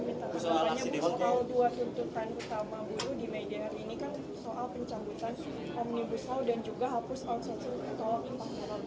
soal pencambutan omnibus law dan juga hapus outsourcing ke tolongan panggilan buruh